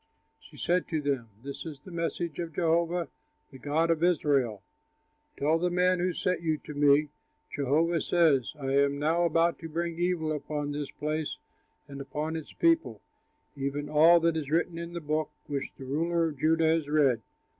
She said to them, "This is the message of Jehovah, the God of Israel: 'Tell the man who sent you to me, Jehovah says, I am now about to bring evil upon this place and upon its people even all that is written in the book which the ruler of Judah has read.